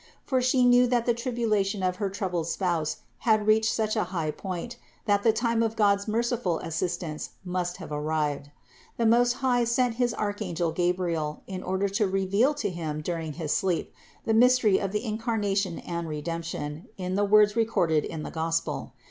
For She knew that the tribulation of her troubled spouse had reached such a high point, that the time of God's merciful assistance must have arrived. The Most High sent his archangel Gabriel, in order to reveal to him during his sleep the mystery of the Incarna tion and Redemption in the words recorded in the gospel.